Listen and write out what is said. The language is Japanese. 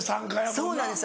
そうなんです